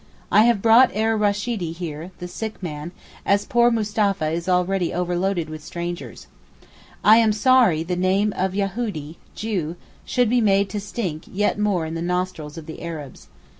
I have brought Er Rasheedee here (the sick man) as poor Mustapha is already overloaded with strangers. I am sorry the name of Yahoodee (Jew) should be made to stink yet more in the nostrils of the Arabs.